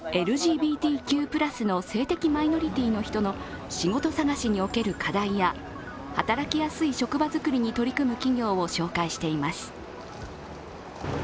ＬＧＢＴＱ＋の性的マイノリティーの人の仕事探しにおける課題や働きやすい職場作りに取り組む企業を紹介しています。